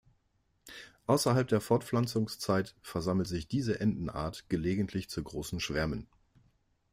Außerhalb der Fortpflanzungszeit versammelt sich diese Entenart gelegentlich zu großen Schwärmen.